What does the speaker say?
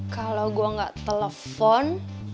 kalau gua nggak telepon